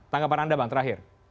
tanggapan anda bang terakhir